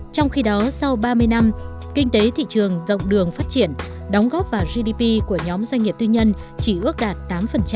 trong khi đó sau ba mươi năm kinh tế thị trường rộng đường phát triển đóng góp vào gdp của nhóm doanh nghiệp tư nhân chỉ ước đạt tám